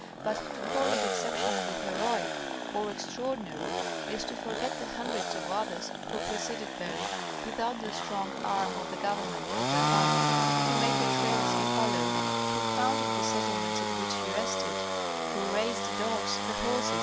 But to call it exceptionally heroic or extraordinary, is to forget the hundreds of others who preceded Bering, without the strong arm of the government at their backs, who made the trails he followed, who founded the settlements at which he rested, who raised the dogs, the horses.